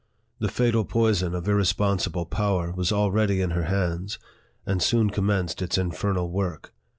The fatal poison of irresponsible power was already in her hands, and soon commenced its infernal work.